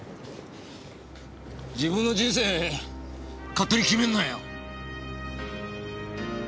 自分の人生勝手に決めんなよ。